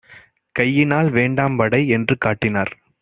கையினால் "வேண்டாம் வடை" என்று காட்டினார்.